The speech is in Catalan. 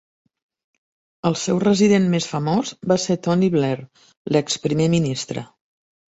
El seu resident més famós va ser Tony Blair, l'ex primer ministre.